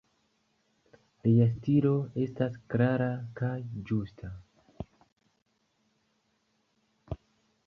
Lia stilo estas klara kaj ĝusta.